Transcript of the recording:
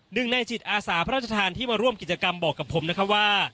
หนึ่งในจิตอาสาพระราชทานที่มาร่วมกิจกรรมบอกกับผมนะครับว่า